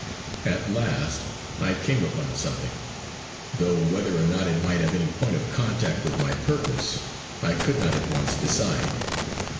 At last I came upon something, though whether or no it might have any point of contact with my purpose, I could not at once decide.